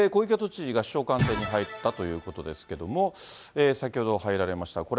小池都知事が首相官邸に入ったということですけれども、先ほど入られました。